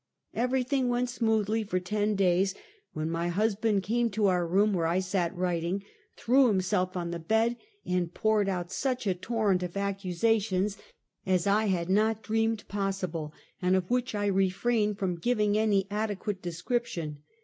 Everything went smoothly for ten days, when my husband came to our room, where I sat writing, threw himself on the bed and poured out such a torrent of accusations as I had not dreamed possible, and of which I refrain from giving any adequate description.